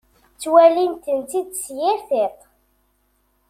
Twalin-tent-id s yir tiṭ.